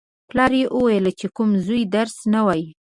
پلار یې ویل: چې کوم زوی درس نه وايي.